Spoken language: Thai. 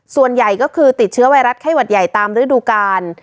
ส่วนใหญ่ก็คือติดเชื้อไวรัสไข้หวัดใหญ่ตามฤดูกาล